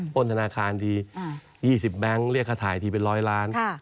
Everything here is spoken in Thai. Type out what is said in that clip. ต้นธนาคารที๒๐แบงค์เรียกค่าถ่ายทีเป็น๑๐๐ล้าน